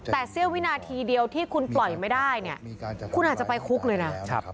แต่เสี้ยววินาทีเดียวที่คุณปล่อยไม่ได้เนี่ยคุณอาจจะไปคุกเลยนะ